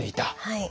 はい。